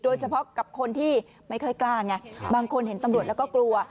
โดยเฉพาะกับคนที่ไม่ค่อยกล้าไงบางคนเห็นตำรวจแล้วก็กลัว